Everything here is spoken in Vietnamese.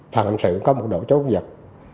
phạm hình sự có một đội chống cướp giật